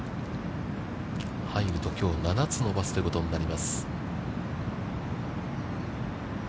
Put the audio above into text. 入ると、きょう、７つ伸ばすということになります。